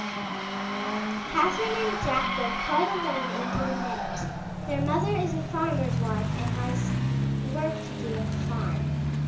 MY BOOK HOUSE Catherine and Jack go quite alone into the meadows. Their mother is a farmer's wife and has work to do at the farm.